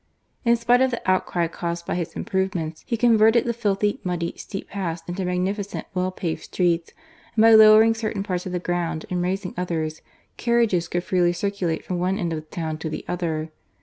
In spite of the outcry caused by his improvements, he converted the filthy, muddy, steep paths into magnificent, well paved streets, and by lowering certain parts of the ground and raising others, carriages could freely circulate from one end of the town to the other.